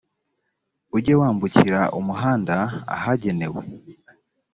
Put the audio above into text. ujye wambukira umuhanda ahagenewe